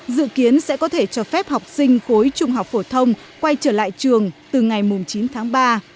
dự kiến sẽ có thể cho phép học sinh khối trung học phổ thông quay trở lại trường từ ngày chín tháng ba